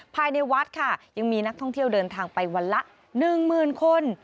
ภายในวัดค่ะยังมีนักท่องเที่ยวเดินทางไปวันละ๑๐๐๐คน